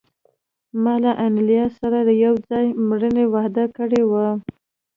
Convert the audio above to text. ما له انیلا سره د یو ځای مړینې وعده کړې وه